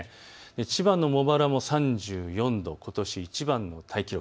千葉の茂原も３４度、ことしいちばんの記録。